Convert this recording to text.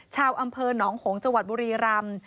ชาวอำเภอหนองหงษ์จังหวัดบุรีรำ